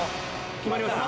決まりました？